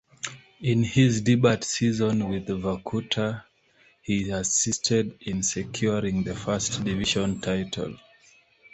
In his debut season with Vorkuta he assisted in securing the First Division title.